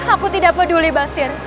aku tidak peduli basir